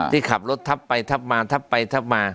ที่ขับรถทับไปทับมาทับไปทับมา